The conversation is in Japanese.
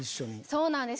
そうなんです